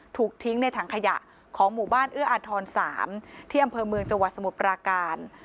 ถูกทิ้งในถังขยะของหมู่บ้านเอื้ออาทร๓ที่อำเภอเมืองจังหวัดสมุทรปราการ